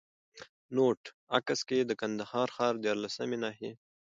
نوټ: عکس کي د کندهار ښار د ديارلسمي ناحيې